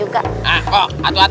kenapa nih dut